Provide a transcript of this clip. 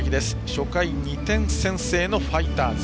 初回、２点先制のファイターズ。